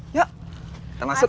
yuk kita masuk